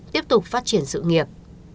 tiếp tục phát triển sự nghiệp